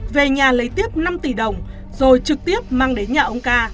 về nhà lấy tiếp năm tỷ đồng rồi trực tiếp mang đến nhà ông ca